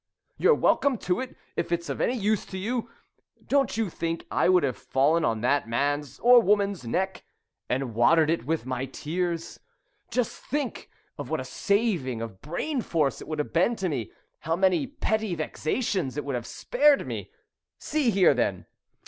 You're welcome to it, if it's any use to you.' Don't you think I would have fallen on that man's or woman's neck, and watered it with my tears? Just think what a saving of brain force it would have been to me how many petty vexations it would have spared me! See here, then!